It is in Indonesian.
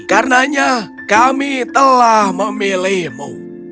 karena kami telah memilihmu